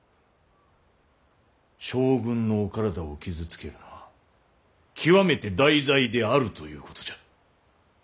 将軍のお体を傷つけるのは極めて大罪であるということじゃ。